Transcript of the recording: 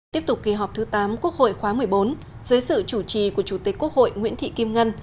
tiếp tục kỳ họp thứ tám quốc hội khóa một mươi bốn dưới sự chủ trì của chủ tịch quốc hội nguyễn thị kim ngân